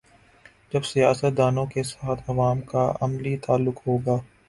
جب سیاست دانوں کے ساتھ عوام کا عملی تعلق ہو گا۔